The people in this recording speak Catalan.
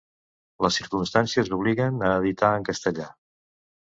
Les circumstàncies obliguen a editar en castellà.